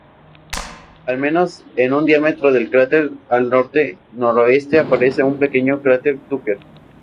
A menos de un diámetro del cráter al norte-noreste aparece el pequeño cráter Tucker.